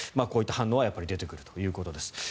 こういった反応は出てくるということです。